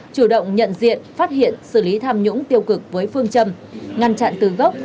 chủ động nhận diện phát hiện xử lý tham nhũng tiêu cực với phương châm ngăn chặn từ gốc